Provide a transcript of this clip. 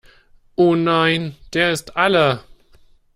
Oh nein, der ist alle!